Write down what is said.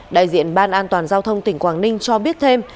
đại diện ban an toàn giao thông tỉnh quảng ninh cho biết thêm